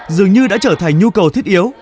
dường như đã trở thành nhu cầu thiết yếu